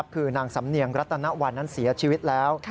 คือนางสำเนียงรัตนวันนั้นเสียชีวิตแล้ว